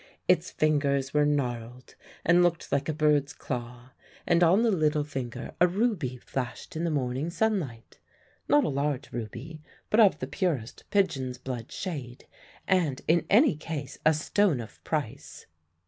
It's fingers were gnarled, and hooked like a bird's claw, and on the little finger a ruby flashed in the morning sunlight not a large ruby, but of the purest pigeon's blood shade, and in any case a stone of price.